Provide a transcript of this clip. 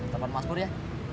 telepon mas bur ya